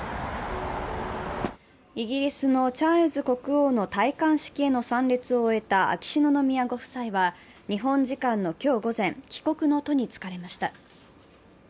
イギリスのチャールズ国王の戴冠式への参列を終えた秋篠宮ご夫妻は、日本時間の今日午前帰国の途につかれました。